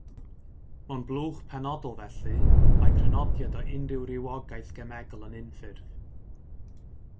Mewn blwch penodol felly, mae crynodiad o unrhyw rywogaeth gemegol yn unffurf.